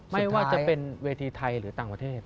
ไม่ว่าจะเป็นเวทีไทยหรือต่างประเทศ